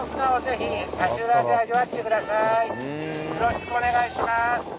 よろしくお願いします。